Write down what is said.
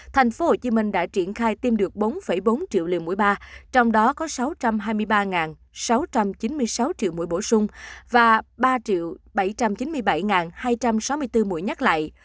tp hcm đã triển khai tiêm được bốn bốn triệu liều mỗi ba trong đó có sáu trăm hai mươi ba sáu trăm chín mươi sáu triệu mũi bổ sung và ba bảy trăm chín mươi bảy hai trăm sáu mươi bốn mũi nhắc lại